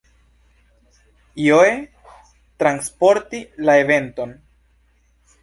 Joe transporti la eventon.